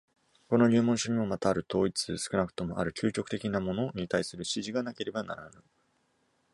この入門書にもまたある統一、少なくともある究極的なものに対する指示がなければならぬ。